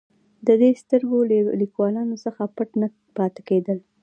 د دې سترګور لیکوالانو څخه پټ نه پاتېدل.